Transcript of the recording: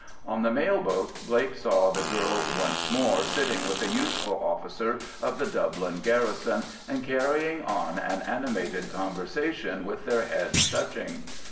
On the mail boat Blake saw the girl once more, sitting with a youthful officer of the Dublin garrison, and carrying on an animated conversation with their heads touching.